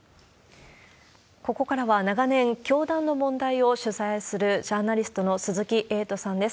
ここからは、長年、教団の問題を取材するジャーナリストの鈴木エイトさんです。